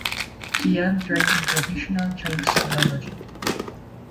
Qian trained in traditional Chinese philology.